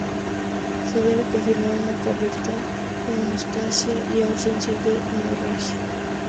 Se debe confirmar una correcta hemostasia y ausencia de hemorragia.